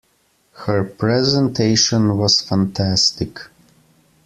Her presentation was fantastic!